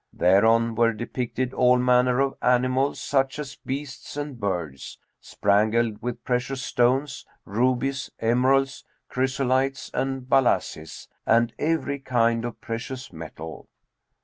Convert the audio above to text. Thereon were depicted all manner of animals such as beasts and birds, spangled with precious stones, rubies, emeralds, chrysolites and balasses and every kind of precious metal.